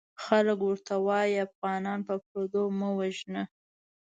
خلک ورته وايي افغانان په پردو مه وژنه!